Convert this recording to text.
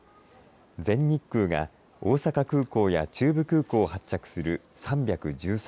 全日空は大阪空港や中部空港を発着する３１３